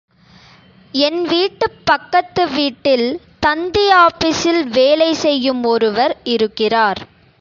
என் வீட்டுக்குப் பக்கத்து வீட்டில் தந்தி ஆபீசில் வேலை செய்யும் ஒருவர் இருக்கிறார்.